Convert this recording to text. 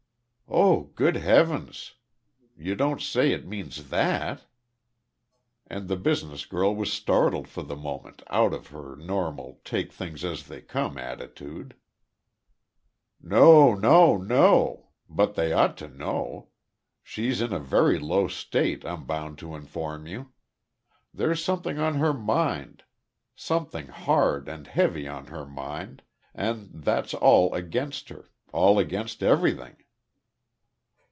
"Oh, good Heavens! You don't say it means that?" And the business girl was startled for the moment out of her normal take things as they come attitude. "No, no, no. But they ought to know. She's in a very low state, I'm bound to inform you. There's something on her mind something hard and heavy on her mind and that's all against her all against everything."